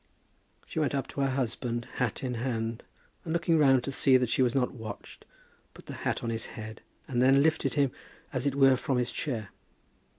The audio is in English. She went up to her husband, hat in hand, and looking round to see that she was not watched, put the hat on his head, and then lifted him as it were from his chair.